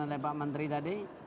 oleh pak menteri tadi